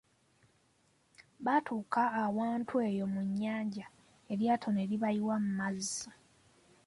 Baatuuka awantu eyo mu nnyanja eryato ne libayiwa mu mazzi.